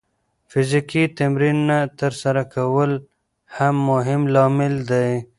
فزیکي تمرین نه ترسره کول هم مهم لامل دی.